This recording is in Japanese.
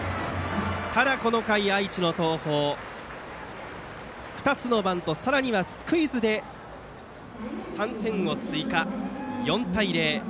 ただ、この回愛知の東邦が２つのバントさらにはスクイズで３点を追加、４対０。